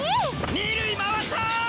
二塁回った！